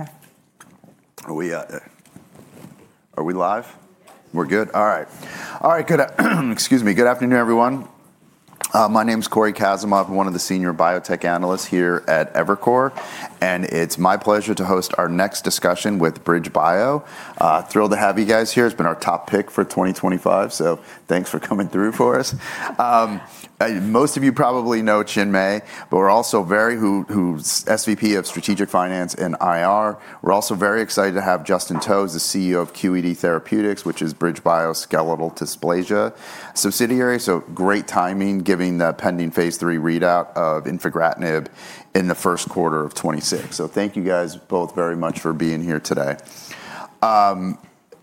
Okay. Are we live? Yes. We're good? All right. All right, good afternoon. Excuse me. Good afternoon, everyone. My name's Corey Kasimov. I'm one of the senior biotech analysts here at Evercore, and it's my pleasure to host our next discussion with BridgeBio. Thrilled to have you guys here. It's been our top pick for 2025, so thanks for coming through for us. Most of you probably know Chinmay, but we're also very—who's SVP of Strategic Finance in IR. We're also very excited to have Justin To, the CEO of QED Therapeutics, which is BridgeBio's skeletal dysplasia subsidiary. So, great timing, giving the pending phase three readout of infegratinib in the first quarter of 2026. So, thank you guys both very much for being here today.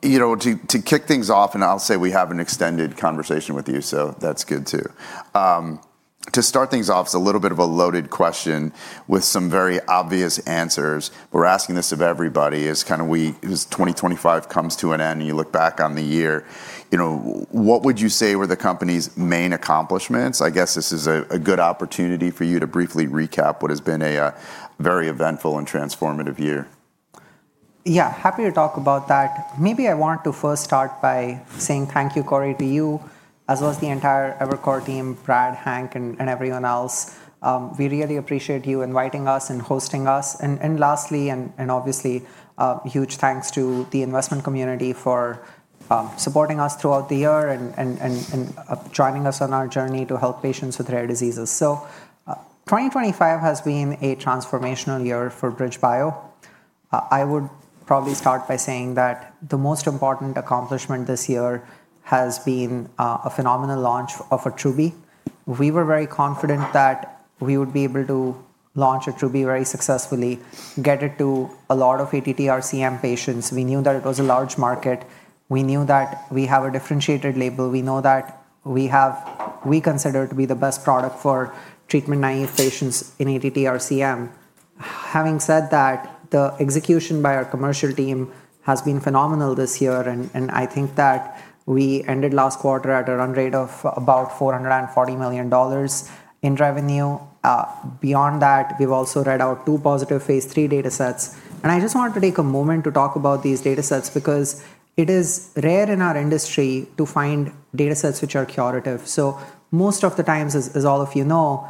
You know, to kick things off, and I'll say we have an extended conversation with you, so that's good too. To start things off, it's a little bit of a loaded question with some very obvious answers. We're asking this of everybody. It's kind of when 2025 comes to an end and you look back on the year, you know, what would you say were the company's main accomplishments? I guess this is a good opportunity for you to briefly recap what has been a very eventful and transformative year. Yeah, happy to talk about that. Maybe I want to first start by saying thank you, Corey, to you, as well as the entire Evercore team, Brad, Hank, and everyone else. We really appreciate you inviting us and hosting us. And lastly, and obviously, huge thanks to the investment community for supporting us throughout the year and joining us on our journey to help patients with rare diseases. So, 2025 has been a transformational year for BridgeBio. I would probably start by saying that the most important accomplishment this year has been a phenomenal launch of Attruby. We were very confident that we would be able to launch Attruby very successfully, get it to a lot of ATTR-CM patients. We knew that it was a large market. We knew that we have a differentiated label. We know that we have, we consider it to be the best product for treatment-naive patients in ATTRCM. Having said that, the execution by our commercial team has been phenomenal this year, and I think that we ended last quarter at a run rate of about $440 million in revenue. Beyond that, we've also read out two positive phase three data sets, and I just wanted to take a moment to talk about these data sets because it is rare in our industry to find data sets which are curative, so most of the time, as all of you know,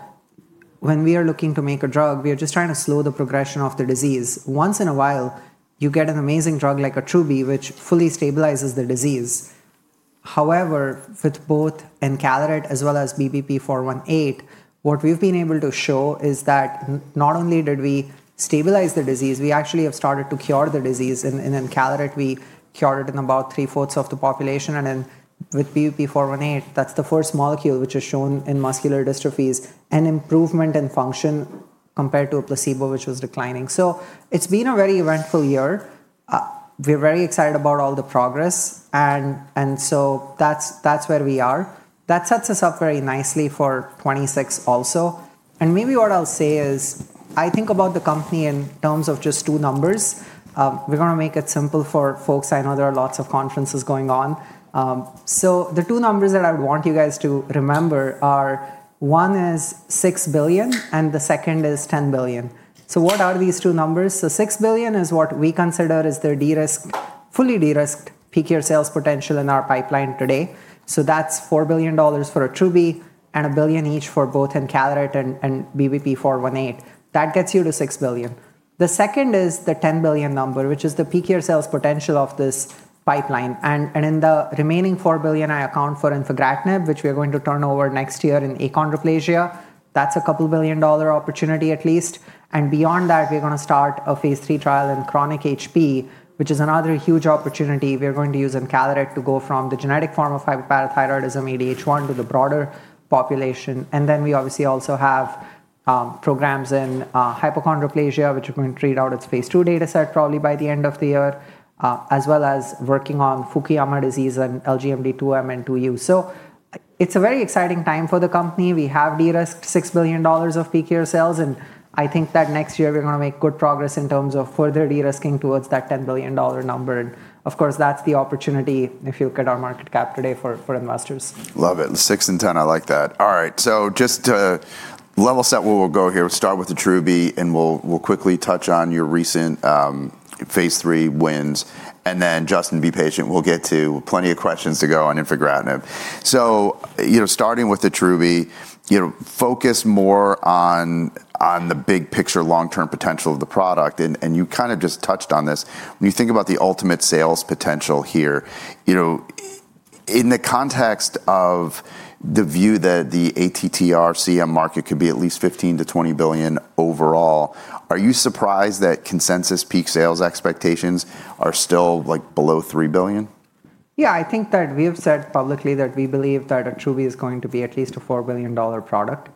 when we are looking to make a drug, we are just trying to slow the progression of the disease. Once in a while, you get an amazing drug like Attruby, which fully stabilizes the disease. However, with both Encaleret as well as BBP-418, what we've been able to show is that not only did we stabilize the disease, we actually have started to cure the disease. In Encaleret, we cured it in about three-fourths of the population. And then with BBP-418, that's the first molecule which is shown in muscular dystrophies and improvement in function compared to a placebo which was declining. So, it's been a very eventful year. We're very excited about all the progress, and so that's where we are. That sets us up very nicely for 2026 also. And maybe what I'll say is, I think about the company in terms of just two numbers. We're going to make it simple for folks. I know there are lots of conferences going on. So, the two numbers that I would want you guys to remember are one is $6 billion, and the second is $10 billion. So, what are these two numbers? $6 billion is what we consider is the fully de-risked peak sales potential in our pipeline today. That's $4 billion for Attruby and $1 billion each for both Encaleret and BBP-418. That gets you to $6 billion. The second is the $10 billion number, which is the peak sales potential of this pipeline. And in the remaining $4 billion, I account for infegratinib, which we are going to turn over next year in achondroplasia. That's a couple billion-dollar opportunity at least. And beyond that, we're going to start a phase three trial in chronic HP, which is another huge opportunity we're going to use Encaleret to go from the genetic form of hypoparathyroidism, ADH1, to the broader population. And then we obviously also have programs in hypochondroplasia, which we're going to read out its phase two data set probably by the end of the year, as well as working on Fukuyama disease and LGMD2M and LGMD2U. So, it's a very exciting time for the company. We have de-risked $6 billion of peak sales, and I think that next year we're going to make good progress in terms of further de-risking towards that $10 billion number. And of course, that's the opportunity if you look at our market cap today for investors. Love it. Six and 10, I like that. All right, so just to level set where we'll go here, we'll start with Attruby, and we'll quickly touch on your recent phase three wins. And then Justin, be patient. We'll get to plenty of questions to go on infegratinib. So, you know, starting with Attruby, you know, focus more on the big picture long-term potential of the product. And you kind of just touched on this. When you think about the ultimate sales potential here, you know, in the context of the view that the ATTR-CM market could be at least $15-20 billion overall, are you surprised that consensus peak sales expectations are still like below $3 billion? Yeah, I think that we have said publicly that we believe that Attruby is going to be at least a $4 billion product.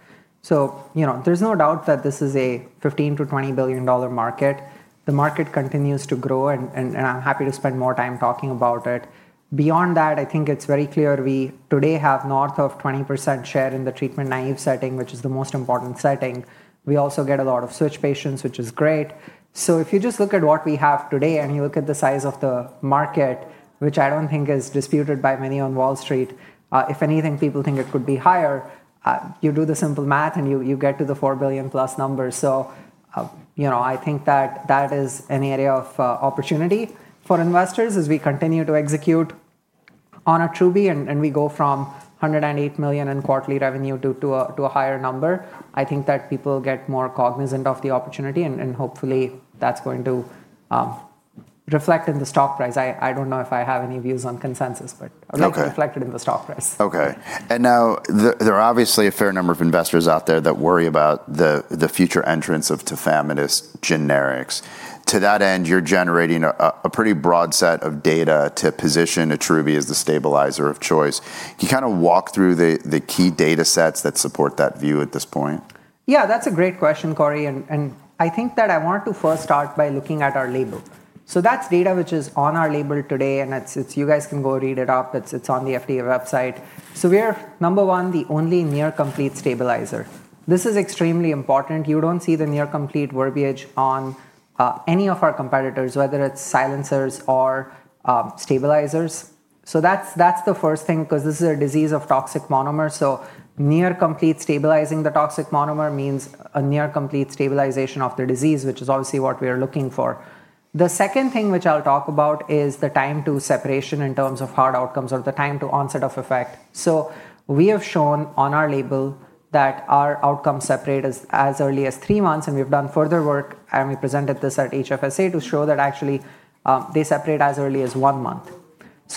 So, you know, there's no doubt that this is a $15-$20 billion market. The market continues to grow, and I'm happy to spend more time talking about it. Beyond that, I think it's very clear we today have north of 20% share in the treatment naive setting, which is the most important setting. We also get a lot of switch patients, which is great. So, if you just look at what we have today and you look at the size of the market, which I don't think is disputed by many on Wall Street, if anything, people think it could be higher. You do the simple math and you get to the $4 billion plus numbers. You know, I think that that is an area of opportunity for investors as we continue to execute on Attruby and we go from $108 million in quarterly revenue to a higher number. I think that people get more cognizant of the opportunity, and hopefully that's going to reflect in the stock price. I don't know if I have any views on consensus, but it will be reflected in the stock price. Okay. And now there are obviously a fair number of investors out there that worry about the future entrance of Tafamidis generics. To that end, you're generating a pretty broad set of data to position Attruby as the stabilizer of choice. Can you kind of walk through the key data sets that support that view at this point? Yeah, that's a great question, Corey. And I think that I want to first start by looking at our label. So, that's data which is on our label today, and you guys can go read it up. It's on the FDA website. So, we are, number one, the only near-complete stabilizer. This is extremely important. You don't see the near-complete verbiage on any of our competitors, whether it's silencers or stabilizers. So, that's the first thing because this is a disease of toxic monomers. So, near-complete stabilizing the toxic monomer means a near-complete stabilization of the disease, which is obviously what we are looking for. The second thing which I'll talk about is the time to separation in terms of hard outcomes or the time to onset of effect. We have shown on our label that our outcomes separate as early as three months, and we've done further work, and we presented this at HFSA to show that actually they separate as early as one month.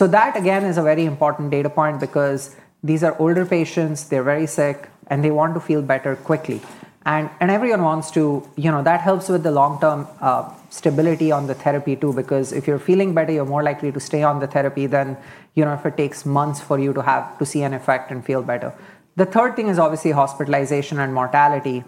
That again is a very important data point because these are older patients, they're very sick, and they want to feel better quickly. Everyone wants to, you know, that helps with the long-term stability on the therapy too because if you're feeling better, you're more likely to stay on the therapy than, you know, if it takes months for you to see an effect and feel better. The third thing is obviously hospitalization and mortality,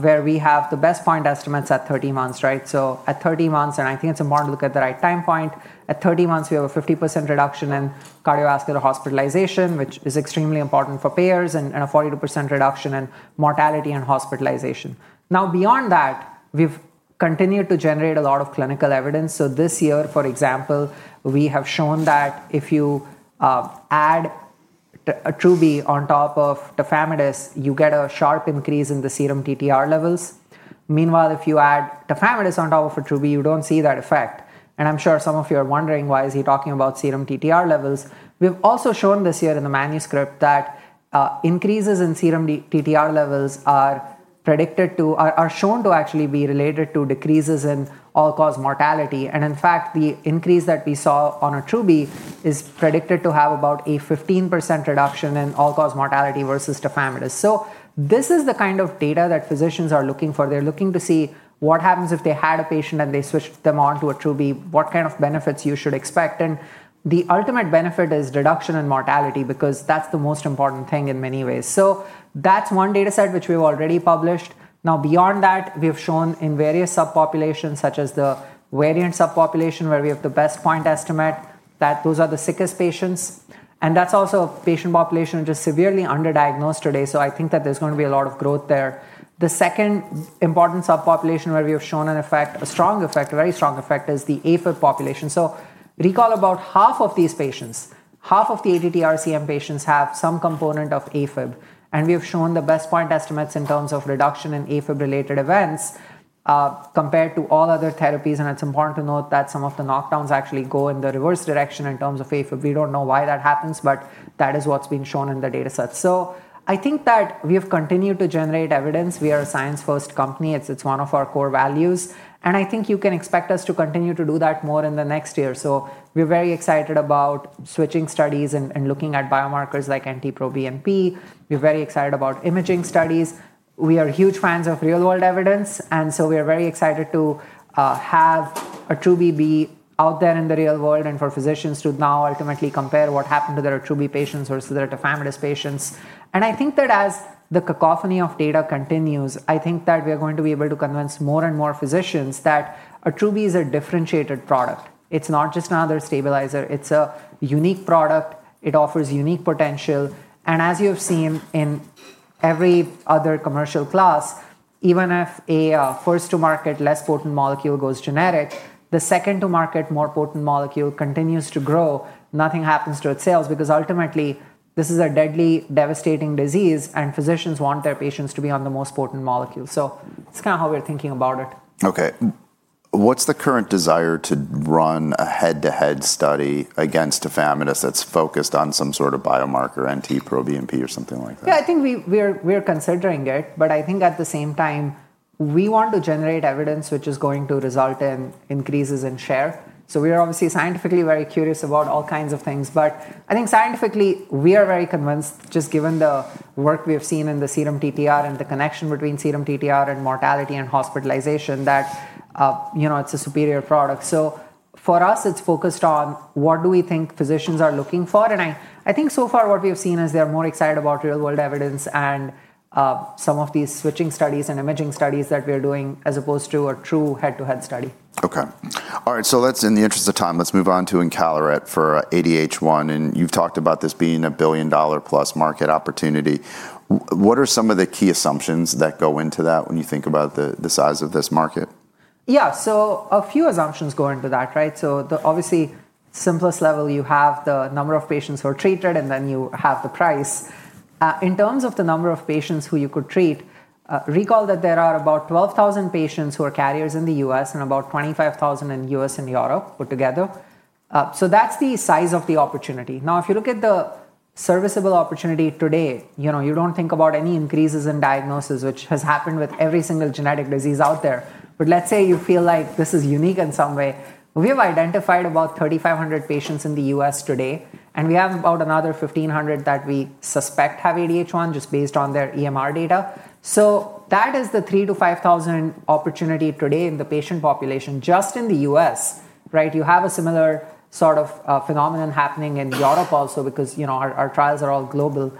where we have the best point estimates at 30 months, right? At 30 months, and I think it's important to look at the right time point, at 30 months we have a 50% reduction in cardiovascular hospitalization, which is extremely important for payers, and a 42% reduction in mortality and hospitalization. Now, beyond that, we've continued to generate a lot of clinical evidence. This year, for example, we have shown that if you add Attruby on top of Tafamidis, you get a sharp increase in the serum TTR levels. Meanwhile, if you add Tafamidis on top of Attruby, you don't see that effect. I'm sure some of you are wondering, why is he talking about serum TTR levels? We've also shown this year in the manuscript that increases in serum TTR levels are shown to actually be related to decreases in all-cause mortality. And in fact, the increase that we saw on Attruby is predicted to have about a 15% reduction in all-cause mortality versus Tafamidis. So, this is the kind of data that physicians are looking for. They're looking to see what happens if they had a patient and they switched them onto Attruby, what kind of benefits you should expect. And the ultimate benefit is reduction in mortality because that's the most important thing in many ways. So, that's one data set which we've already published. Now, beyond that, we have shown in various subpopulations, such as the variant subpopulation, where we have the best point estimate that those are the sickest patients. And that's also a patient population which is severely underdiagnosed today. So, I think that there's going to be a lot of growth there. The second important subpopulation where we have shown an effect, a strong effect, a very strong effect, is the AFib population, so recall about half of these patients, half of the ATTR-CM patients have some component of AFib, and we have shown the best point estimates in terms of reduction in AFib-related events compared to all other therapies, and it's important to note that some of the knockdowns actually go in the reverse direction in terms of AFib. We don't know why that happens, but that is what's been shown in the data set, so I think that we have continued to generate evidence. We are a science-first company. It's one of our core values, and I think you can expect us to continue to do that more in the next year, so we're very excited about switching studies and looking at biomarkers like NT-proBNP. We're very excited about imaging studies. We are huge fans of real-world evidence. And so, we are very excited to have Attruby be out there in the real world and for physicians to now ultimately compare what happened to their Attruby patients versus their Tafamidis patients. And I think that as the cacophony of data continues, I think that we are going to be able to convince more and more physicians that Attruby is a differentiated product. It's not just another stabilizer. It's a unique product. It offers unique potential. And as you have seen in every other commercial class, even if a first-to-market less potent molecule goes generic, the second-to-market more potent molecule continues to grow. Nothing happens to its sales because ultimately this is a deadly, devastating disease, and physicians want their patients to be on the most potent molecule. It's kind of how we're thinking about it. Okay. What's the current desire to run a head-to-head study against Tafamidis that's focused on some sort of biomarker, NT-proBNP or something like that? Yeah, I think we are considering it, but I think at the same time we want to generate evidence which is going to result in increases in share. So, we are obviously scientifically very curious about all kinds of things, but I think scientifically we are very convinced, just given the work we have seen in the serum TTR and the connection between serum TTR and mortality and hospitalization, that, you know, it's a superior product. So, for us, it's focused on what do we think physicians are looking for. And I think so far what we have seen is they're more excited about real-world evidence and some of these switching studies and imaging studies that we are doing as opposed to a true head-to-head study. Okay. All right. In the interest of time, let's move on to Encaleret for ADH1. You've talked about this being a billion-dollar-plus market opportunity. What are some of the key assumptions that go into that when you think about the size of this market? Yeah, so a few assumptions go into that, right? So, obviously simplest level, you have the number of patients who are treated, and then you have the price. In terms of the number of patients who you could treat, recall that there are about 12,000 patients who are carriers in the U.S. and about 25,000 in the U.S. and Europe put together. So, that's the size of the opportunity. Now, if you look at the serviceable opportunity today, you know, you don't think about any increases in diagnosis, which has happened with every single genetic disease out there. But let's say you feel like this is unique in some way. We have identified about 3,500 patients in the U.S. today, and we have about another 1,500 that we suspect have ADH1 just based on their EMR data. That is the 3-5,000 opportunity today in the patient population just in the U.S., right? You have a similar sort of phenomenon happening in Europe also because, you know, our trials are all global.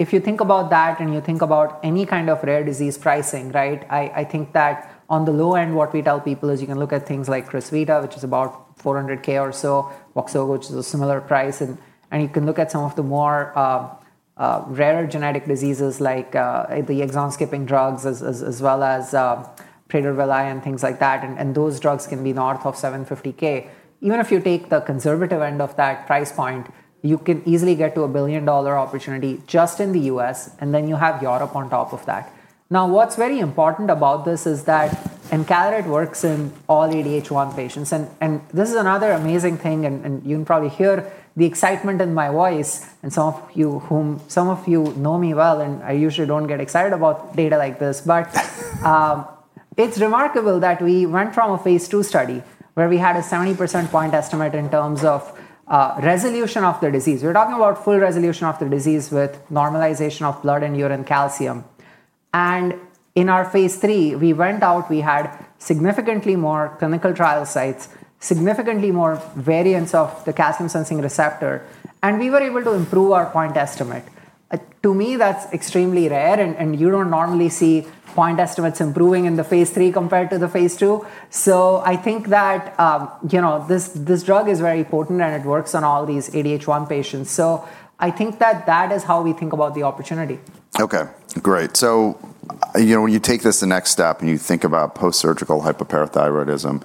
If you think about that and you think about any kind of rare disease pricing, right, I think that on the low end, what we tell people is you can look at things like CRISPR, which is about $400,000 or so, which is a similar price. And you can look at some of the more rare genetic diseases like the exon-skipping drugs as well as Prader-Willi and things like that. And those drugs can be north of $750,000. Even if you take the conservative end of that price point, you can easily get to a $1 billion opportunity just in the U.S., and then you have Europe on top of that. Now, what's very important about this is that Encaleret works in all ADH1 patients, and this is another amazing thing, and you can probably hear the excitement in my voice, and some of you know me well, and I usually don't get excited about data like this, but it's remarkable that we went from a phase 2 study where we had a 70% point estimate in terms of resolution of the disease. We're talking about full resolution of the disease with normalization of blood and urine calcium, and in our phase 3, we went out, we had significantly more clinical trial sites, significantly more variants of the calcium sensing receptor, and we were able to improve our point estimate. To me, that's extremely rare, and you don't normally see point estimates improving in the phase 3 compared to the phase 2. So, I think that, you know, this drug is very potent and it works on all these ADH1 patients. So, I think that that is how we think about the opportunity. Okay, great. So, you know, when you take this the next step and you think about post-surgical hypoparathyroidism,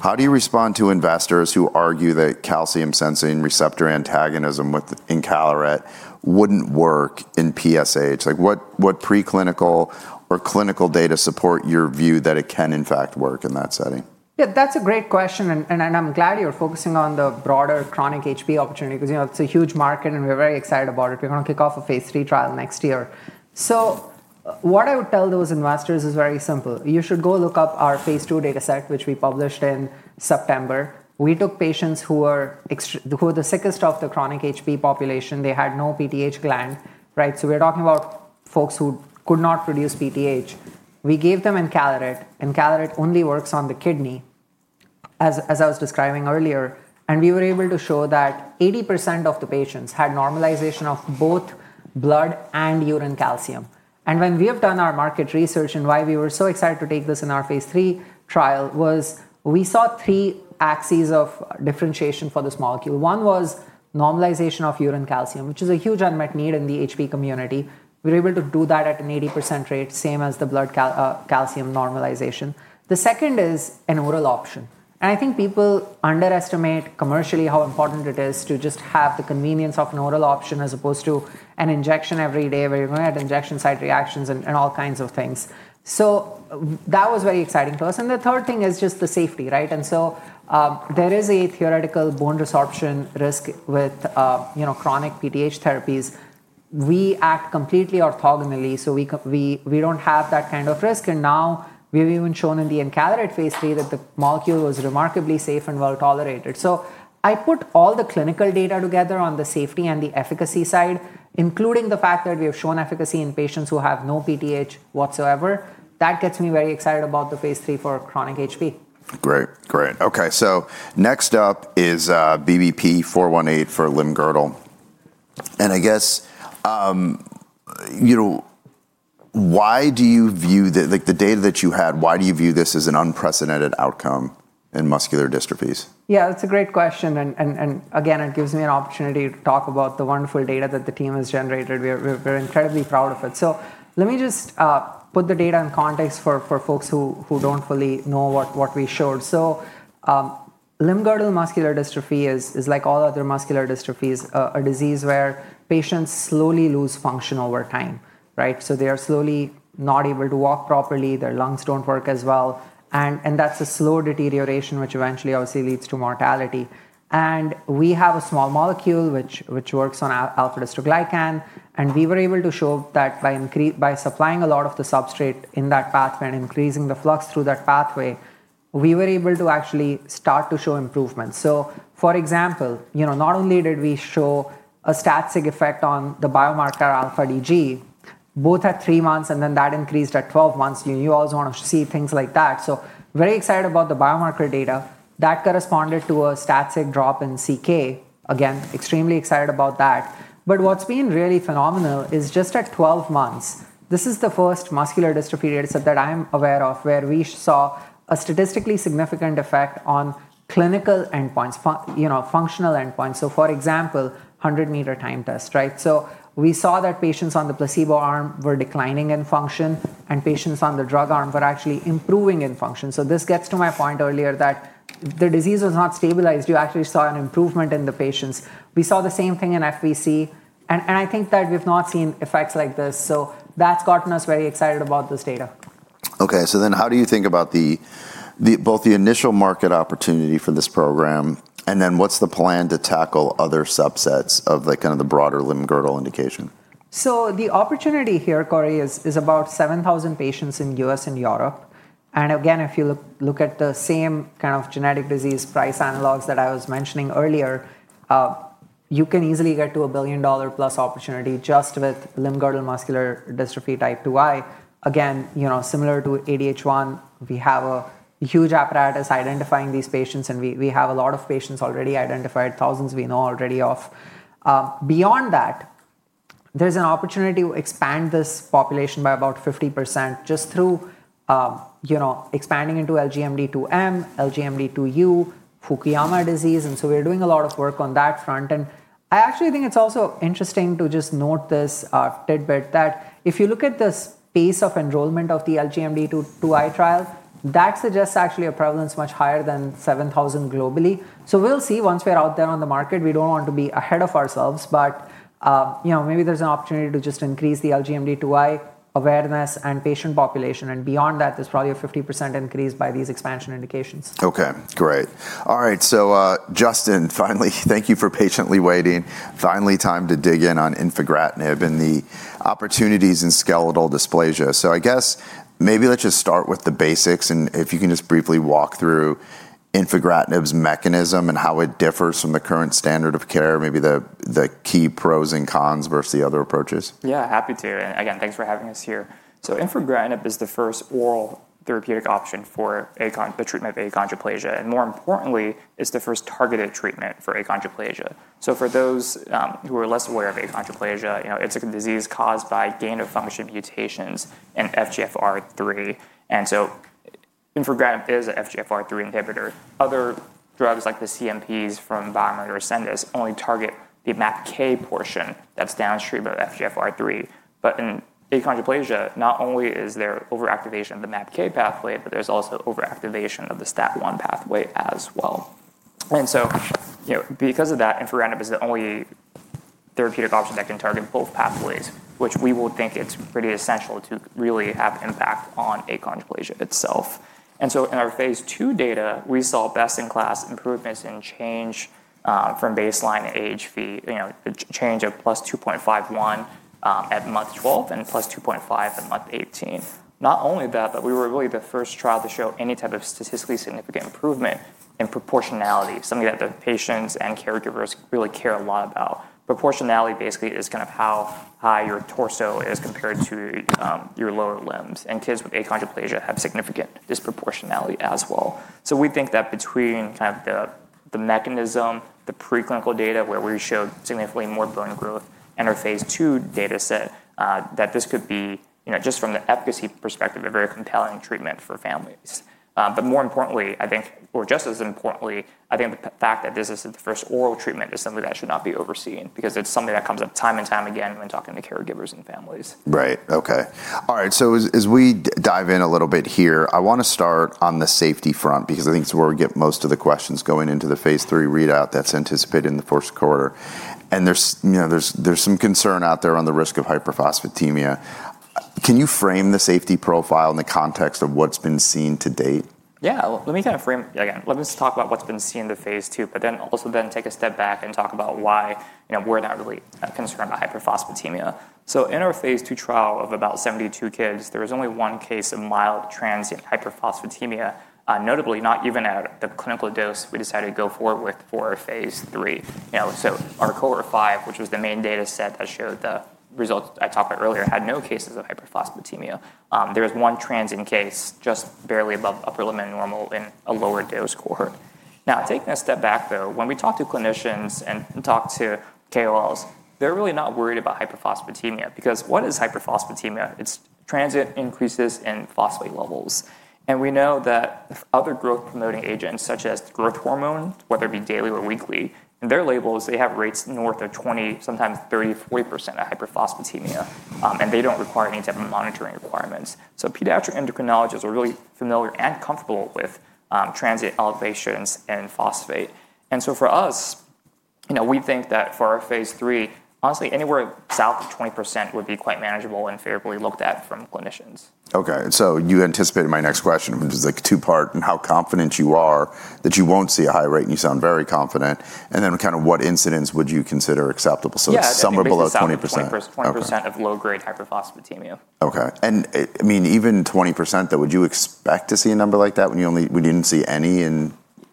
how do you respond to investors who argue that calcium sensing receptor antagonism with Encaleret wouldn't work in PSH? Like what preclinical or clinical data support your view that it can in fact work in that setting? Yeah, that's a great question, and I'm glad you're focusing on the broader chronic HP opportunity because, you know, it's a huge market and we're very excited about it. We're going to kick off a phase three trial next year. What I would tell those investors is very simple. You should go look up our phase two data set, which we published in September. We took patients who were the sickest of the chronic HP population. They had no PTH gland, right? So, we're talking about folks who could not produce PTH. We gave them Encaleret. Encaleret only works on the kidney, as I was describing earlier. We were able to show that 80% of the patients had normalization of both blood and urine calcium. When we have done our market research and why we were so excited to take this in our phase three trial was we saw three axes of differentiation for this molecule. One was normalization of urine calcium, which is a huge unmet need in the HP community. We were able to do that at an 80% rate, same as the blood calcium normalization. The second is an oral option. And I think people underestimate commercially how important it is to just have the convenience of an oral option as opposed to an injection every day where you're going to have injection site reactions and all kinds of things. So, that was very exciting to us. And the third thing is just the safety, right? And so, there is a theoretical bone resorption risk with, you know, chronic PTH therapies. We act completely orthogonally, so we don't have that kind of risk. And now we've even shown in the Encaleret phase 3 that the molecule was remarkably safe and well tolerated. So, I put all the clinical data together on the safety and the efficacy side, including the fact that we have shown efficacy in patients who have no PTH whatsoever. That gets me very excited about the phase 3 for chronic HP. Great, great. Okay, so next up is BBP-418 for Limb-Girdle. And I guess, you know, why do you view the data that you had? Why do you view this as an unprecedented outcome in muscular dystrophies? Yeah, that's a great question. And again, it gives me an opportunity to talk about the wonderful data that the team has generated. We're incredibly proud of it. So, let me just put the data in context for folks who don't fully know what we showed. So, Limb-Girdle muscular dystrophy is like all other muscular dystrophies, a disease where patients slowly lose function over time, right? So, they are slowly not able to walk properly. Their lungs don't work as well. And that's a slow deterioration, which eventually obviously leads to mortality. And we have a small molecule which works on alpha-dystroglycan. And we were able to show that by supplying a lot of the substrate in that pathway and increasing the flux through that pathway, we were able to actually start to show improvements. So, for example, you know, not only did we show a static effect on the biomarker alpha-DG, both at three months and then that increased at 12 months. You always want to see things like that. So, very excited about the biomarker data that corresponded to a static drop in CK. Again, extremely excited about that. But what's been really phenomenal is just at 12 months, this is the first muscular dystrophy data set that I'm aware of where we saw a statistically significant effect on clinical endpoints, you know, functional endpoints. So, for example, 100-meter time test, right? So, we saw that patients on the placebo arm were declining in function and patients on the drug arm were actually improving in function. So, this gets to my point earlier that the disease was not stabilized. You actually saw an improvement in the patients. We saw the same thing in FVC. And I think that we've not seen effects like this. So, that's gotten us very excited about this data. Okay, so then how do you think about both the initial market opportunity for this program and then what's the plan to tackle other subsets of the kind of the broader Limb-Girdle indication? So, the opportunity here, Corey, is about 7,000 patients in the U.S. and Europe. And again, if you look at the same kind of genetic disease price analogs that I was mentioning earlier, you can easily get to a billion-dollar-plus opportunity just with Limb-Girdle muscular dystrophy type 2I. Again, you know, similar to ADH1, we have a huge apparatus identifying these patients. And we have a lot of patients already identified, thousands we know already of. Beyond that, there's an opportunity to expand this population by about 50% just through, you know, expanding into LGMD2M, LGMD2U, Fukuyama disease. And so, we're doing a lot of work on that front. And I actually think it's also interesting to just note this tidbit that if you look at the pace of enrollment of the LGMD2I trial, that suggests actually a prevalence much higher than 7,000 globally. We'll see once we're out there on the market. We don't want to be ahead of ourselves, but you know, maybe there's an opportunity to just increase the LGMD2I awareness and patient population. Beyond that, there's probably a 50% increase by these expansion indications. Okay, great. All right. So, Justin, finally, thank you for patiently waiting. Finally, time to dig in on infegratinib and the opportunities in skeletal dysplasia. So, I guess maybe let's just start with the basics. And if you can just briefly walk through infegratinib's mechanism and how it differs from the current standard of care, maybe the key pros and cons versus the other approaches. Yeah, happy to. Again, thanks for having us here. So, infegratinib is the first oral therapeutic option for the treatment of achondroplasia. And more importantly, it's the first targeted treatment for achondroplasia. So, for those who are less aware of achondroplasia, you know, it's a disease caused by gain-of-function mutations in FGFR3. And so, infegratinib is an FGFR3 inhibitor. Other drugs like the CMPs from BioMarin and Ascendis only target the MAPK portion that's downstream of FGFR3. But in achondroplasia, not only is there overactivation of the MAPK pathway, but there's also overactivation of the STAT1 pathway as well. And so, you know, because of that, infegratinib is the only therapeutic option that can target both pathways, which we will think it's pretty essential to really have impact on achondroplasia itself. And so, in our phase two data, we saw best-in-class improvements in change from baseline height Z-score, you know, change of plus 2.51 at month 12 and plus 2.5 at month 18. Not only that, but we were really the first trial to show any type of statistically significant improvement in proportionality, something that the patients and caregivers really care a lot about. Proportionality basically is kind of how high your torso is compared to your lower limbs. And kids with achondroplasia have significant disproportionality as well. So, we think that between kind of the mechanism, the preclinical data where we showed significantly more bone growth and our phase two data set, that this could be, you know, just from the efficacy perspective, a very compelling treatment for families. But more importantly, I think, or just as importantly, I think the fact that this is the first oral treatment is something that should not be overlooked because it's something that comes up time and time again when talking to caregivers and families. Right, okay. All right, so as we dive in a little bit here, I want to start on the safety front because I think it's where we get most of the questions going into the phase 3 readout that's anticipated in the first quarter. There's some concern out there on the risk of hyperphosphatemia. Can you frame the safety profile in the context of what's been seen to date? Yeah, let me kind of frame, again, let me just talk about what's been seen in the phase two, but then also then take a step back and talk about why, you know, we're not really concerned about hyperphosphatemia. So, in our phase two trial of about 72 kids, there was only one case of mild transient hyperphosphatemia, notably not even at the clinical dose we decided to go forward with for phase three. You know, so our cohort five, which was the main data set that showed the results I talked about earlier, had no cases of hyperphosphatemia. There was one transient case just barely above upper limit normal in a lower dose cohort. Now, taking a step back though, when we talk to clinicians and talk to KOLs, they're really not worried about hyperphosphatemia because what is hyperphosphatemia? It's transient increases in phosphate levels. We know that other growth-promoting agents such as growth hormone, whether it be daily or weekly, in their labels, they have rates north of 20%, sometimes 30%-40% of hyperphosphatemia. They don't require any type of monitoring requirements. Pediatric endocrinologists are really familiar and comfortable with transient elevations in phosphate. For us, you know, we think that for our phase 3, honestly, anywhere south of 20% would be quite manageable and favorably looked at from clinicians. Okay, so you anticipated my next question, which is like two-part and how confident you are that you won't see a high rate and you sound very confident, and then kind of what incidence would you consider acceptable, so somewhere below 20%. 20% of low-grade hyperphosphatemia. Okay, and I mean, even 20% though, would you expect to see a number like that when you didn't see any in?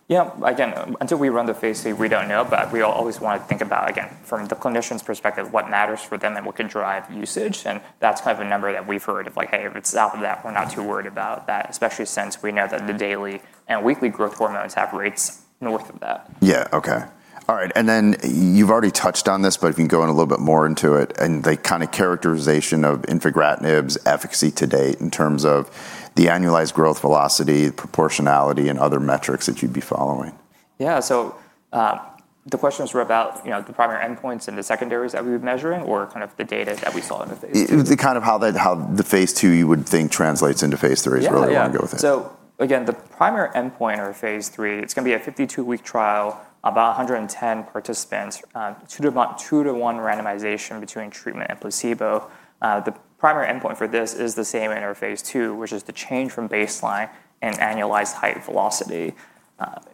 Yeah, again, until we run the phase 3, we don't know, but we always want to think about, again, from the clinician's perspective, what matters for them and what can drive usage, and that's kind of a number that we've heard of like, hey, if it's south of that, we're not too worried about that, especially since we know that the daily and weekly growth hormones have rates north of that. Yeah, okay. All right. And then you've already touched on this, but if you can go in a little bit more into it and the kind of characterization of infegratinib's efficacy to date in terms of the annualized growth velocity, proportionality, and other metrics that you'd be following? Yeah, so the questions were about, you know, the primary endpoints and the secondaries that we were measuring or kind of the data that we saw in the phase 2? The kind of how the phase two you would think translates into phase three is really what I'm going to go with here. Yeah, so again, the primary endpoint of phase three, it's going to be a 52-week trial, about 110 participants, two-to-one randomization between treatment and placebo. The primary endpoint for this is the same in our phase two, which is the change from baseline in annualized height velocity.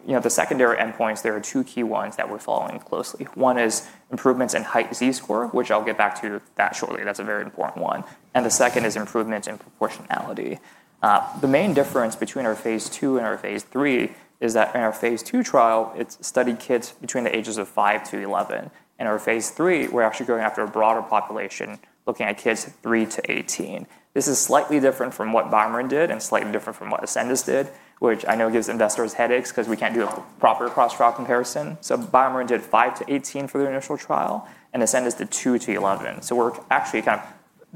You know, the secondary endpoints, there are two key ones that we're following closely. One is improvements in height Z-score, which I'll get back to that shortly. That's a very important one. And the second is improvements in proportionality. The main difference between our phase two and our phase three is that in our phase two trial, it's studied kids between the ages of five to 11. In our phase three, we're actually going after a broader population looking at kids three to 18. This is slightly different from what BioMarin did and slightly different from what Ascendis did, which I know gives investors headaches because we can't do a proper cross-draw comparison. So, BioMarin did 5-18 for their initial trial and Ascendis did 2-11. So, we're actually kind of,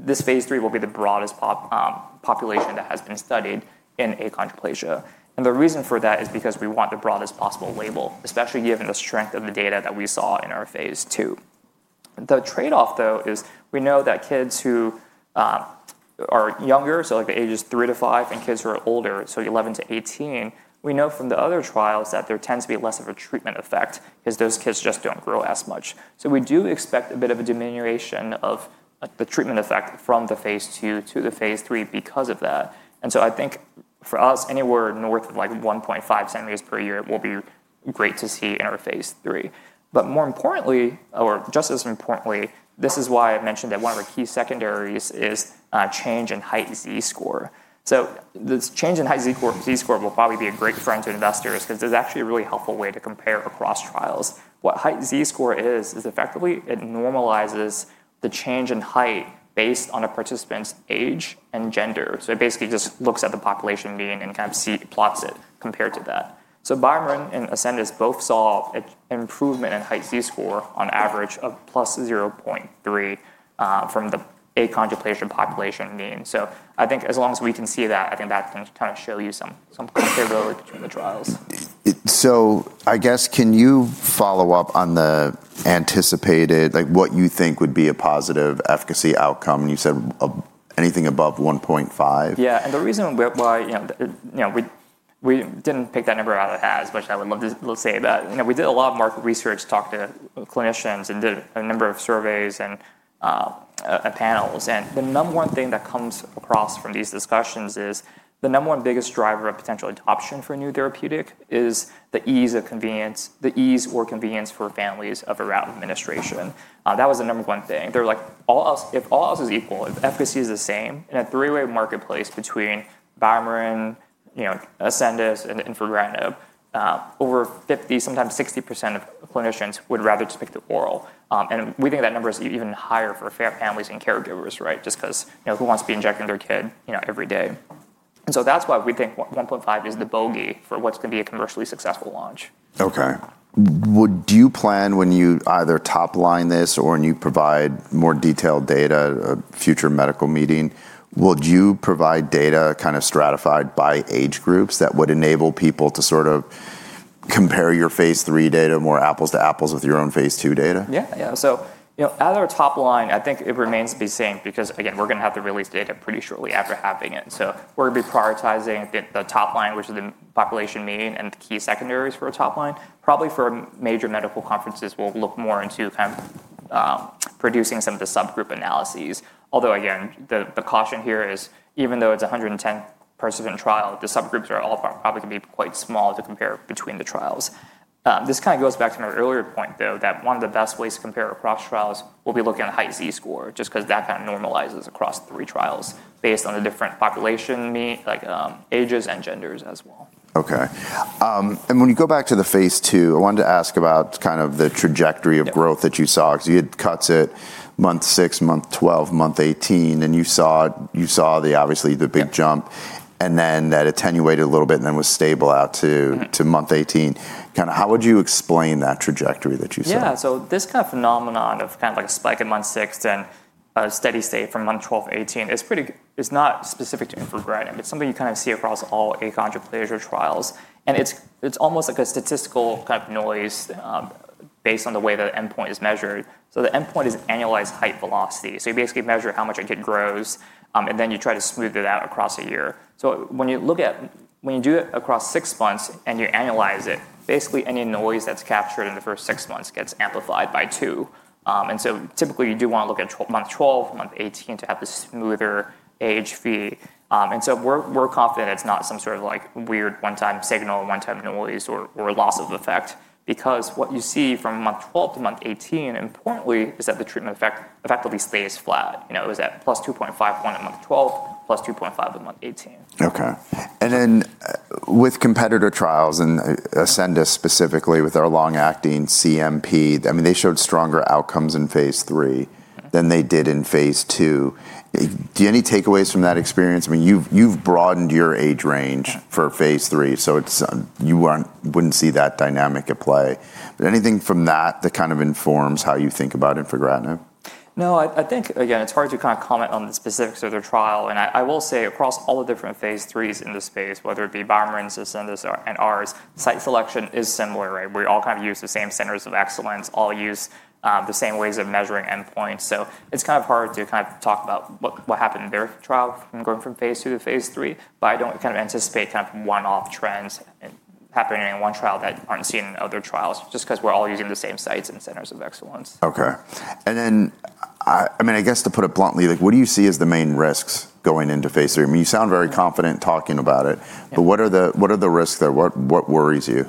this phase 3 will be the broadest population that has been studied in achondroplasia. And the reason for that is because we want the broadest possible label, especially given the strength of the data that we saw in our phase 2. The trade-off though is we know that kids who are younger, so like the ages 3-5 and kids who are older, so 11-18, we know from the other trials that there tends to be less of a treatment effect because those kids just don't grow as much. We do expect a bit of a diminution of the treatment effect from the phase 2 to the phase 3 because of that. I think for us, anywhere north of like 1.5 centimeters per year will be great to see in our phase 3. But more importantly, or just as importantly, this is why I mentioned that one of our key secondaries is change in height Z-score. This change in height Z-score will probably be a great friend to investors because it's actually a really helpful way to compare across trials. What height Z-score is, is effectively it normalizes the change in height based on a participant's age and gender. It basically just looks at the population mean and kind of plots it compared to that. So, BioMarin and Ascendis both saw an improvement in height Z-score on average of plus 0.3 from the achondroplasia population mean. So, I think as long as we can see that, I think that can kind of show you some comparability between the trials. So, I guess can you follow up on the anticipated, like what you think would be a positive efficacy outcome? You said anything above 1.5? Yeah, and the reason why, you know, you know, we didn't pick that number out of the hat, which I would love to say that, you know, we did a lot of market research, talked to clinicians and did a number of surveys and panels. And the number one thing that comes across from these discussions is the number one biggest driver of potential adoption for a new therapeutic is the ease of convenience, the ease or convenience for families of a route administration. That was the number one thing. They're like, if all else is equal, if efficacy is the same, in a three-way marketplace between BioMarin, you know, Ascendis and infegratinib, over 50%, sometimes 60% of clinicians would rather just pick the oral. And we think that number is even higher for families and caregivers, right? Just because, you know, who wants to be injecting their kid, you know, every day? And so that's why we think 1.5 is the bogey for what's going to be a commercially successful launch. Okay. Do you plan when you either topline this or when you provide more detailed data, a future medical meeting, will you provide data kind of stratified by age groups that would enable people to sort of compare your phase three data more apples to apples with your own phase two data? Yeah, yeah, so you know, as our topline, I think it remains to be seen because again, we're going to have to release data pretty shortly after having it, so we're going to be prioritizing the topline, which is the population mean and the key secondaries for a topline. Probably for major medical conferences, we'll look more into kind of producing some of the subgroup analyses. Although again, the caution here is even though it's a 110-person trial, the subgroups are all probably going to be quite small to compare between the trials. This kind of goes back to my earlier point though, that one of the best ways to compare across trials will be looking at the height Z-score just because that kind of normalizes across three trials based on the different population mean, like ages and genders as well. Okay. And when you go back to the phase two, I wanted to ask about kind of the trajectory of growth that you saw because you had cuts at month six, month 12, month 18, and you saw the obviously the big jump and then that attenuated a little bit and then was stable out to month 18. Kind of how would you explain that trajectory that you saw? Yeah, so this kind of phenomenon of kind of like a spike at month six and a steady state from month 12 to 18 is pretty. It's not specific to infegratinib. It's something you kind of see across all achondroplasia trials. It's almost like a statistical kind of noise based on the way the endpoint is measured. The endpoint is annualized height velocity. You basically measure how much a kid grows and then you try to smooth it out across a year. When you look at, when you do it across six months and you annualize it, basically any noise that's captured in the first six months gets amplified by two. Typically you do want to look at month 12, month 18 to have the smoother height Z-score. And so we're confident it's not some sort of like weird one-time signal, one-time noise or loss of effect because what you see from month 12 to month 18, importantly, is that the treatment effect effectively stays flat. You know, it was at plus 2.51 at month 12, plus 2.5 at month 18. Okay. And then with competitor trials and Ascendis specifically with their long-acting CNP, I mean, they showed stronger outcomes in phase three than they did in phase two. Do you have any takeaways from that experience? I mean, you've broadened your age range for phase three, so you wouldn't see that dynamic at play. But anything from that that kind of informs how you think about infegratinib? No, I think again, it's hard to kind of comment on the specifics of their trial. And I will say across all the different phase threes in this space, whether it be BioMarin, Ascendis, and ours, site selection is similar, right? We all kind of use the same centers of excellence, all use the same ways of measuring endpoints. So, it's kind of hard to kind of talk about what happened in their trial from going from phase two to phase three, but I don't kind of anticipate kind of one-off trends happening in one trial that aren't seen in other trials just because we're all using the same sites and centers of excellence. Okay. And then, I mean, I guess to put it bluntly, like what do you see as the main risks going into phase 3? I mean, you sound very confident talking about it, but what are the risks there? What worries you?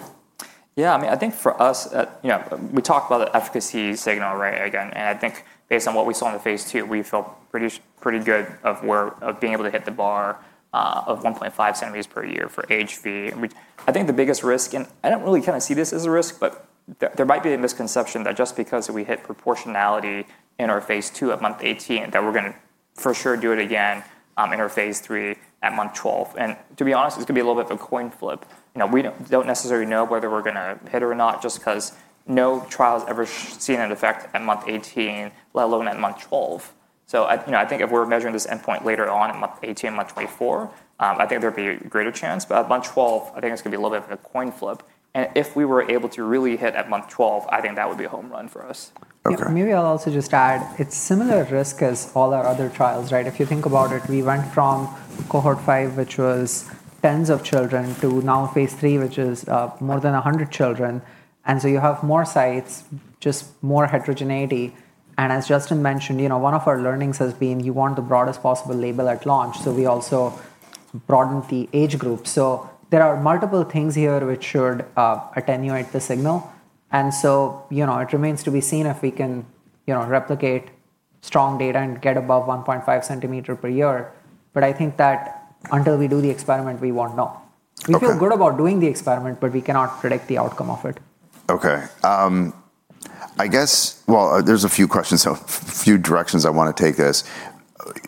Yeah, I mean, I think for us, you know, we talked about the efficacy signal, right? Again, and I think based on what we saw in the phase 2, we feel pretty good of being able to hit the bar of 1.5 centimeters per year for age 5. I think the biggest risk, and I don't really kind of see this as a risk, but there might be a misconception that just because we hit proportionality in our phase 2 at month 18, that we're going to for sure do it again in our phase 3 at month 12. And to be honest, it's going to be a little bit of a coin flip. You know, we don't necessarily know whether we're going to hit it or not just because no trial's ever seen an effect at month 18, let alone at month 12. You know, I think if we're measuring this endpoint later on at month 18, month 24, I think there'd be a greater chance, but at month 12, I think it's going to be a little bit of a coin flip. If we were able to really hit at month 12, I think that would be a home run for us. Okay. Maybe I'll also just add, it's similar risk as all our other trials, right? If you think about it, we went from cohort five, which was tens of children, to now phase three, which is more than 100 children, and so you have more sites, just more heterogeneity, and as Justin mentioned, you know, one of our learnings has been you want the broadest possible label at launch, so we also broadened the age group, so there are multiple things here which should attenuate the signal, and so, you know, it remains to be seen if we can, you know, replicate strong data and get above 1.5 centimeters per year, but I think that until we do the experiment, we won't know. We feel good about doing the experiment, but we cannot predict the outcome of it. Okay. I guess, well, there's a few questions, a few directions I want to take this.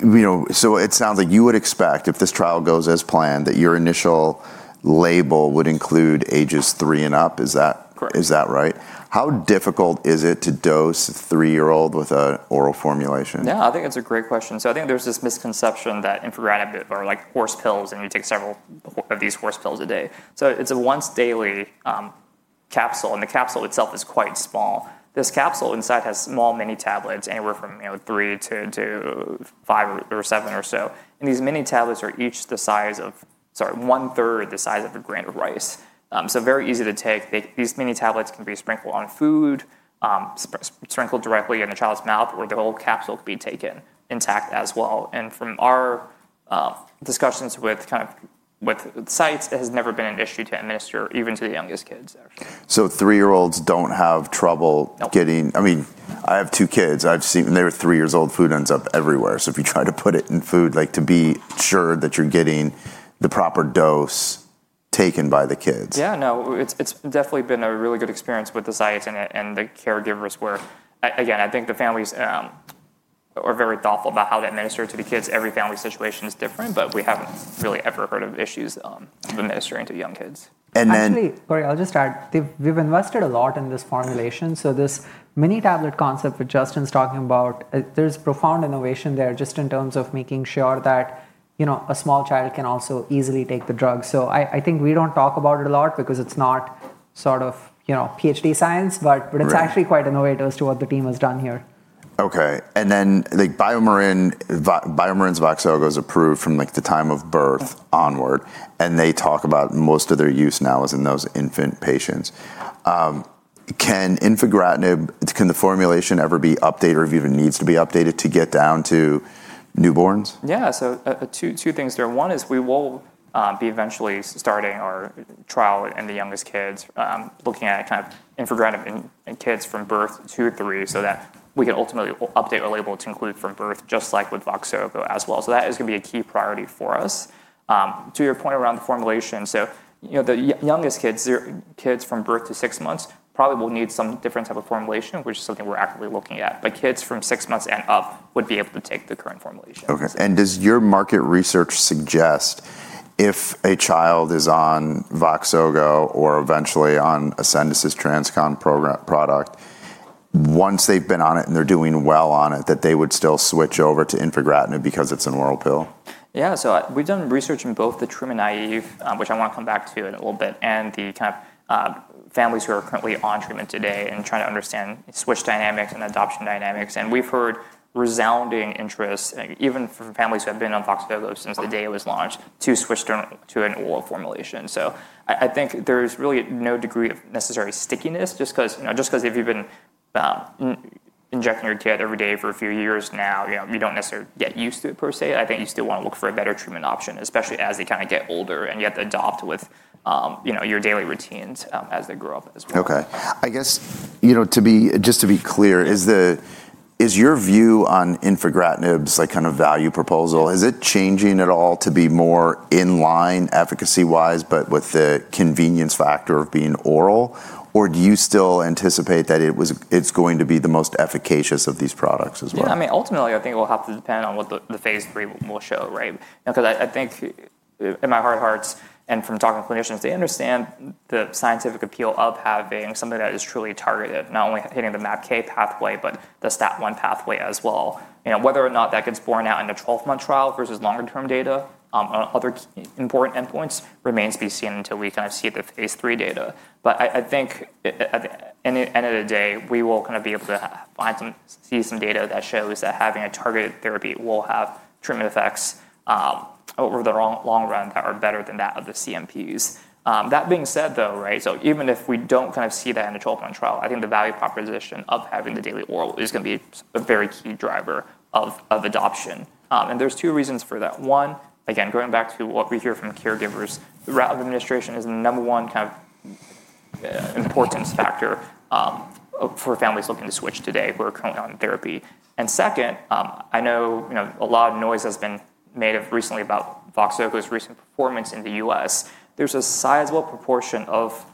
You know, so it sounds like you would expect if this trial goes as planned that your initial label would include ages three and up. Is that right? How difficult is it to dose a three-year-old with an oral formulation? Yeah, I think it's a great question. So, I think there's this misconception that Infegratinib are like horse pills and you take several of these horse pills a day. So, it's a once-daily capsule and the capsule itself is quite small. This capsule inside has small mini tablets anywhere from three to five or seven or so. And these mini tablets are each the size of, sorry, one-third the size of a grain of rice. So, very easy to take. These mini tablets can be sprinkled on food, sprinkled directly in the child's mouth or the whole capsule could be taken intact as well. And from our discussions with kind of sites, it has never been an issue to administer, even to the youngest kids, actually. Three-year-olds don't have trouble getting. I mean, I have two kids. I've seen when they were three years old, food ends up everywhere. So, if you try to put it in food, like, to be sure that you're getting the proper dose taken by the kids. Yeah, no, it's definitely been a really good experience with the sites and the caregivers where, again, I think the families are very thoughtful about how they administer it to the kids. Every family situation is different, but we haven't really ever heard of issues of administering to young kids. And then. Actually, Corey, I'll just add, we've invested a lot in this formulation. So, this mini tablet concept that Justin's talking about, there's profound innovation there just in terms of making sure that, you know, a small child can also easily take the drug. So, I think we don't talk about it a lot because it's not sort of, you know, PhD science, but it's actually quite innovative as to what the team has done here. Okay. And then BioMarin's Voxzogo goes approved from like the time of birth onward. And they talk about most of their use now is in those infant patients. Can infegratinib, can the formulation ever be updated or if it even needs to be updated to get down to newborns? Yeah, so two things there. One is we will be eventually starting our trial in the youngest kids, looking at kind of infegratinib in kids from birth to two to three, so that we can ultimately update our label to include from birth, just like with Voxzogo as well, so that is going to be a key priority for us. To your point around the formulation, so, you know, the youngest kids, kids from birth to six months probably will need some different type of formulation, which is something we're actively looking at. But kids from six months and up would be able to take the current formulation. Okay. And does your market research suggest if a child is on Voxzogo or eventually on Ascendis's TransCon product, once they've been on it and they're doing well on it, that they would still switch over to infegratinib because it's an oral pill? Yeah, so we've done research in both the treated and naive, which I want to come back to in a little bit, and the kind of families who are currently on treatment today and trying to understand switch dynamics and adoption dynamics. We've heard resounding interest, even from families who have been on Voxzogo since the day it was launched, to switch to an oral formulation. I think there's really no degree of necessary stickiness just because, you know, just because if you've been injecting your kid every day for a few years now, you know, you don't necessarily get used to it per se. I think you still want to look for a better treatment option, especially as they kind of get older and you have to adapt with, you know, your daily routines as they grow up as well. Okay. I guess, you know, to be just to be clear, is your view on infegratinib's like kind of value proposition, is it changing at all to be more in line efficacy-wise, but with the convenience factor of being oral? Or do you still anticipate that it's going to be the most efficacious of these products as well? Yeah, I mean, ultimately I think it will have to depend on what the phase 3 will show, right? Because I think in my heart of hearts, and from talking to clinicians, they understand the scientific appeal of having something that is truly targeted, not only hitting the MAPK pathway, but the STAT1 pathway as well. You know, whether or not that gets borne out in a 12-month trial versus longer-term data on other important endpoints remains to be seen until we kind of see the phase 3 data. But I think at the end of the day, we will kind of be able to find some, see some data that shows that having a targeted therapy will have treatment effects over the long run that are better than that of the CMPs. That being said though, right? Even if we don't kind of see that in a 12-month trial, I think the value proposition of having the daily oral is going to be a very key driver of adoption. There's two reasons for that. One, again, going back to what we hear from caregivers, the route of administration is the number one kind of importance factor for families looking to switch today who are currently on therapy. Second, I know, you know, a lot of noise has been made recently about Voxzogo's recent performance in the U.S. There's a sizable proportion of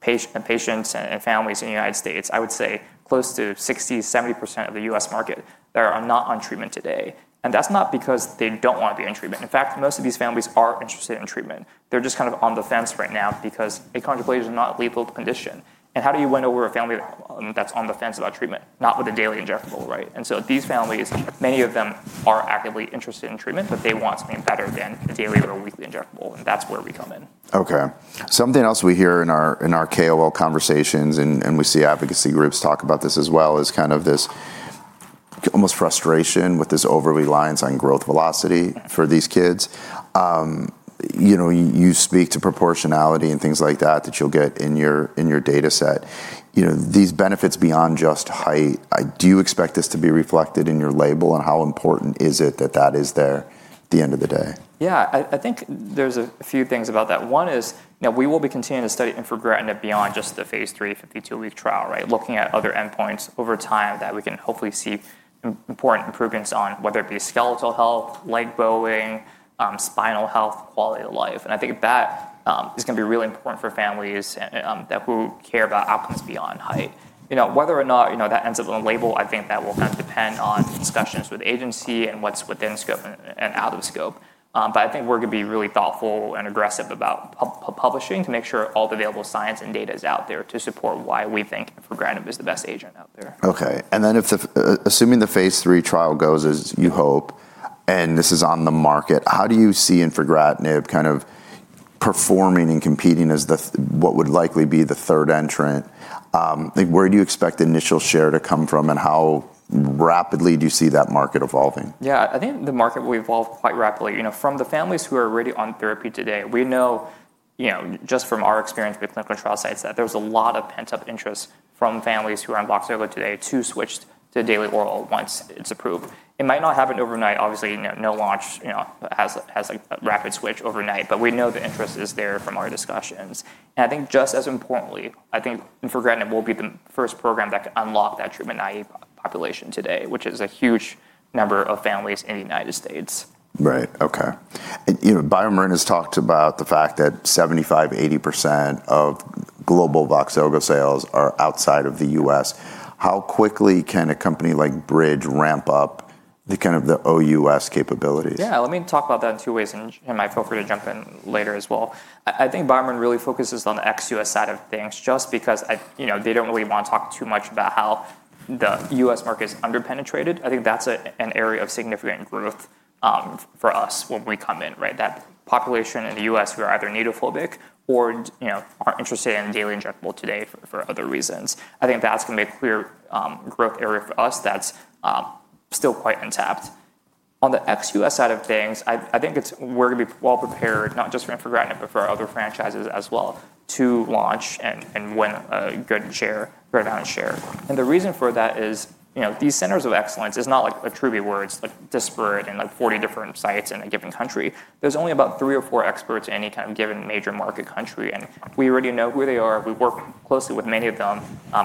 patients and families in the United States, I would say close to 60%-70% of the U.S. market that are not on treatment today. That's not because they don't want to be in treatment. In fact, most of these families are interested in treatment. They're just kind of on the fence right now because Achondroplasia is not a lethal condition, and how do you win over a family that's on the fence about treatment, not with a daily injectable, right, and so these families, many of them are actively interested in treatment, but they want something better than a daily or a weekly injectable, and that's where we come in. Okay. Something else we hear in our KOL conversations and we see advocacy groups talk about this as well is kind of this almost frustration with this overreliance on growth velocity for these kids. You know, you speak to proportionality and things like that that you'll get in your dataset. You know, these benefits beyond just height, do you expect this to be reflected in your label and how important is it that that is there at the end of the day? Yeah, I think there's a few things about that. One is, you know, we will be continuing to study infegratinib beyond just the phase 3 52-week trial, right? Looking at other endpoints over time that we can hopefully see important improvements on, whether it be skeletal health, leg bowing, spinal health, quality of life, and I think that is going to be really important for families that who care about outcomes beyond height. You know, whether or not, you know, that ends up on the label, I think that will kind of depend on discussions with agency and what's within scope and out of scope, but I think we're going to be really thoughtful and aggressive about publishing to make sure all the available science and data is out there to support why we think infegratinib is the best agent out there. Okay. And then assuming the phase 3 trial goes as you hope, and this is on the market, how do you see infegratinib kind of performing and competing as what would likely be the third entrant? Like, where do you expect the initial share to come from and how rapidly do you see that market evolving? Yeah, I think the market will evolve quite rapidly. You know, from the families who are already on therapy today, we know, you know, just from our experience with clinical trial sites that there's a lot of pent-up interest from families who are on Voxzogo today to switch to daily oral once it's approved. It might not happen overnight, obviously, no launch, you know, has a rapid switch overnight, but we know the interest is there from our discussions, and I think just as importantly, I think infegratinib will be the first program that can unlock that treatment naive population today, which is a huge number of families in the United States. Right. Okay. You know, BioMarin has talked about the fact that 75%-80% of global Voxzogo sales are outside of the US. How quickly can a company like Bridge ramp up the kind of the OUS capabilities? Yeah, let me talk about that in two ways, and feel free to jump in later as well. I think BioMarin really focuses on the ex-U.S. side of things just because, you know, they don't really want to talk too much about how the U.S. market is underpenetrated. I think that's an area of significant growth for us when we come in, right? That population in the U.S., we're either needlephobic or, you know, aren't interested in daily injectable today for other reasons. I think that's going to be a clear growth area for us that's still quite intact. On the ex-U.S. side of things, I think we're going to be well prepared, not just for infegratinib, but for other franchises as well to launch and win a good share, right? Down share. And the reason for that is, you know, these centers of excellence. It's not like Attruby where it's like disparate in like 40 different sites in a given country. There's only about three or four experts in any kind of given major market country. And we already know who they are. We work closely with many of them.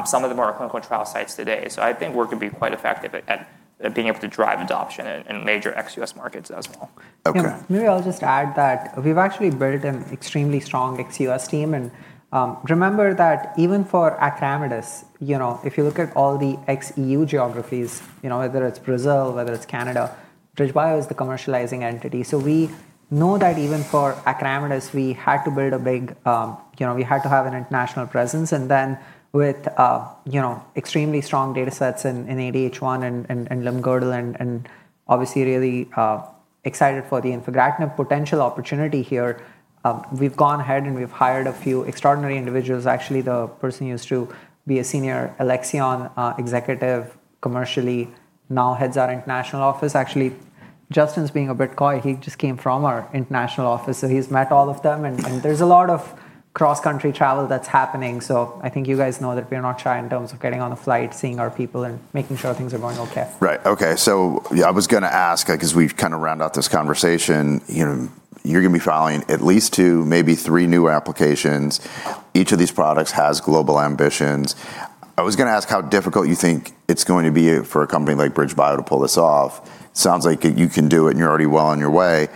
Some of them are clinical trial sites today. So, I think we're going to be quite effective at being able to drive adoption in major ex-US markets as well. Okay. Maybe I'll just add that we've actually built an extremely strong ex-U.S. team. And remember that even for acoramidis, you know, if you look at all the ex-E.U. geographies, you know, whether it's Brazil, whether it's Canada, BridgeBio is the commercializing entity. So, we know that even for acoramidis, we had to build a big, you know, we had to have an international presence. And then with, you know, extremely strong datasets in ADH1 and Limb-Girdle, and obviously really excited for the infegratinib potential opportunity here, we've gone ahead and we've hired a few extraordinary individuals. Actually, the person used to be a senior Alexion executive, commercially, now heads our international office. Actually, Justin's being a bit coy. He just came from our international office. So, he's met all of them. And there's a lot of cross-country travel that's happening. I think you guys know that we're not shy in terms of getting on the flight, seeing our people and making sure things are going okay. Right. Okay. So, I was going to ask, because we've kind of rounded out this conversation, you know, you're going to be filing at least two, maybe three new applications. Each of these products has global ambitions. I was going to ask how difficult you think it's going to be for a company like BridgeBio to pull this off. Sounds like you can do it and you're already well on your way.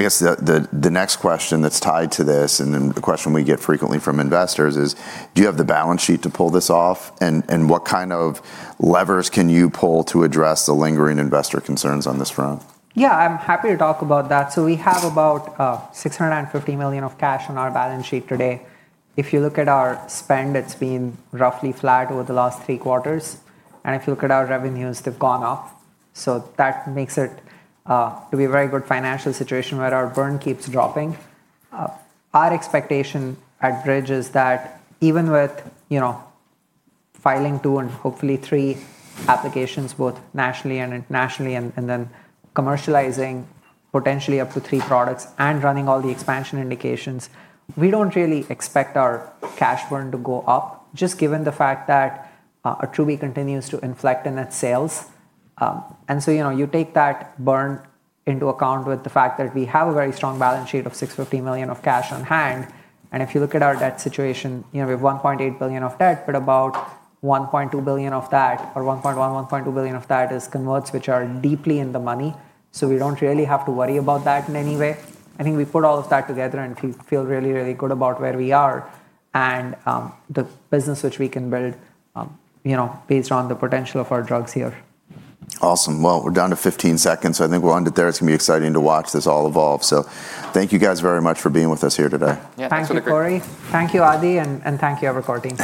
I guess the next question that's tied to this and then the question we get frequently from investors is, do you have the balance sheet to pull this off, and what kind of levers can you pull to address the lingering investor concerns on this front? Yeah, I'm happy to talk about that. So, we have about $650 million of cash on our balance sheet today. If you look at our spend, it's been roughly flat over the last three quarters. And if you look at our revenues, they've gone up. So, that makes it to be a very good financial situation where our burn keeps dropping. Our expectation at Bridge is that even with, you know, filing two and hopefully three applications, both nationally and internationally, and then commercializing potentially up to three products and running all the expansion indications, we don't really expect our cash burn to go up, just given the fact that Attruby continues to inflect the sales. And so, you know, you take that burn into account with the fact that we have a very strong balance sheet of $650 million of cash on hand. If you look at our debt situation, you know, we have $1.8 billion of debt, but about $1.2 billion of that, or $1.1-$1.2 billion of that is converts, which are deeply in the money. We don't really have to worry about that in any way. I think we put all of that together and feel really, really good about where we are and the business which we can build, you know, based on the potential of our drugs here. Awesome. Well, we're down to 15 seconds. I think we're on to there. It's going to be exciting to watch this all evolve. So, thank you guys very much for being with us here today. Yeah, thank you, Corey. Thank you, Adi, and thank you, everybody.